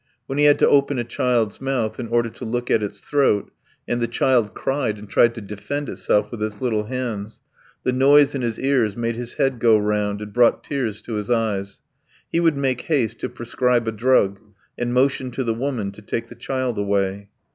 When he had to open a child's mouth in order to look at its throat, and the child cried and tried to defend itself with its little hands, the noise in his ears made his head go round and brought tears to his eyes. He would make haste to prescribe a drug, and motion to the woman to take the child away.